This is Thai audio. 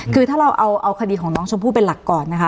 คือถ้าเราเอาคดีของน้องชมพู่เป็นหลักก่อนนะคะ